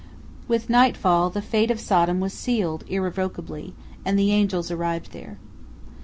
With nightfall, the fate of Sodom was sealed irrevocably, and the angels arrived there.